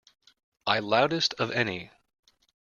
I loudest of any.